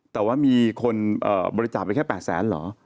แต่ว่ามีคนบริจาคไปแค่๘แสนเหรอ